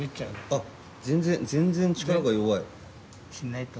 あっ全然全然力が弱い。